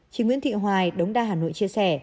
chị nguyễn thị hoài đống đa hà nội chia sẻ